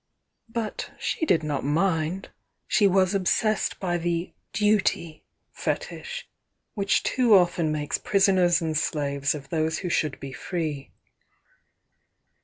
But she did not mind. She was obsessed by the "Duty" fetish, which too often makes prisoners and slaves of those who should be free.